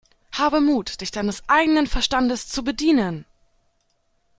Habe Mut, dich deines eigenen Verstandes zu bedienen!